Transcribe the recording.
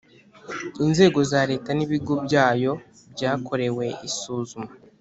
inzego za leta n’ibigo byayo byakorewe isuzuma,